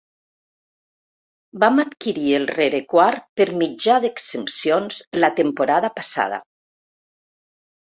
Vam adquirir el rerequart per mitjà d'exempcions la temporada passada.